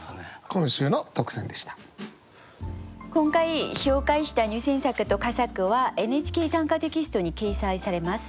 今回紹介した入選作と佳作は「ＮＨＫ短歌」テキストに掲載されます。